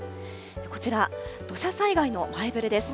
こちら、土砂災害の前ぶれです。